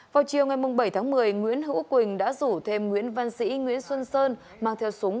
vào chiều ngày bảy tháng một mươi nguyễn hữu quỳnh đã rủ thêm nguyễn văn sĩ nguyễn xuân sơn mang theo súng